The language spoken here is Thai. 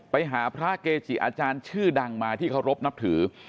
ไปหาพระเกจิอาจารย์ชื่อดังมาที่เคารพนับถือ